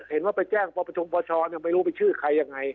เห็นว่าไปแจ้งปปชงปชไม่รู้ไปชื่อใครยังไง